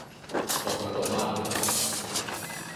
Ο Πρωτομάρτυρας